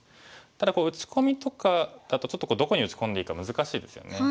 ただ打ち込みとかだとちょっとどこに打ち込んでいいか難しいですよね。